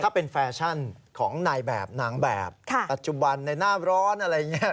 ถ้าเป็นแฟชั่นของนายแบบนางแบบปัจจุบันในหน้าร้อนอะไรอย่างนี้